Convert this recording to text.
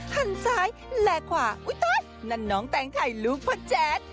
หันซ้ายและขวาอุ๊ยนั่นน้องแตงไข่ลูกพ่อแจ๊ด